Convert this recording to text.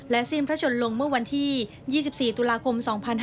สิ้นพระชนลงเมื่อวันที่๒๔ตุลาคม๒๕๕๙